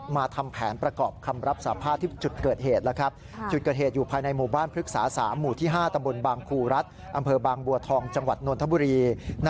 มาทำแผนประกอบคำรับสาภาษณ์ที่